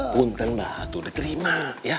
banten mbah tuh diterima ya